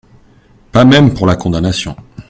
Pas même pour la condamnation.